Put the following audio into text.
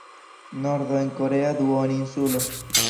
Nordo en korea duoninsulo.